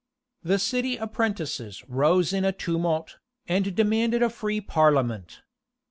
The city apprentices rose in a tumult, and demanded a free parliament.